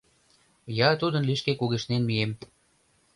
Я тудын лишке кугешнен мием